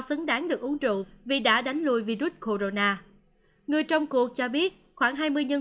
xứng đáng được uống rượu vì đã đánh lùi virus corona người trong cuộc cho biết khoảng hai mươi nhân